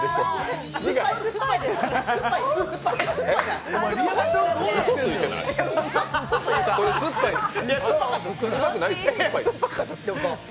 酸っぱいでしょ？